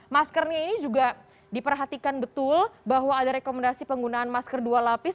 maskernya ini juga diperhatikan betul bahwa ada rekomendasi penggunaan masker dua lapis